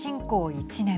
１年